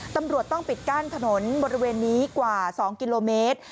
ตำรวจต้องปิดกั้นถนนบริเวณนี้กว่า๒กิโลเมตร